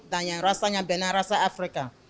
dan yang rasanya benar rasa afrika